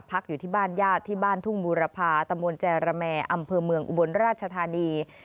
อยู่ที่บ้านญาติที่บ้านทุ่งบูรพาตะมนต์แจรแมอำเภอเมืองอุบลราชธานี